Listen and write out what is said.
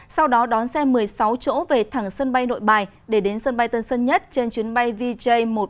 sau đó đón xe một mươi sáu chỗ về thẳng sân bay nội bài để đến sân bay tân sơn nhất trên chuyến bay vj một trăm bốn mươi